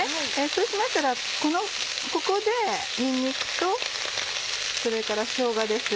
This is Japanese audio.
そうしましたらここでにんにくとそれからしょうがです。